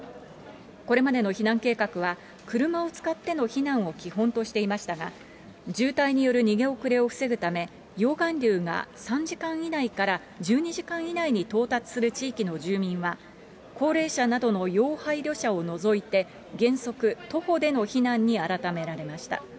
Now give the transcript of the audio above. これまでの避難計画は、車を使っての避難を基本としていましたが、渋滞による逃げ遅れを防ぐため、溶岩流が３時間以内から１２時間以内に到達する地域の住民は、高齢者などの要配慮者を除いて、原則徒歩での避難に改められました。